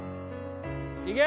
いけ！